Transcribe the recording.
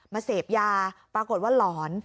เสพยาปรากฏว่าหลอน